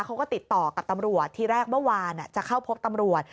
เขาก็ติดต่อกับตำรวจทีแรกเมื่อวานจะเข้าพบตำรวจ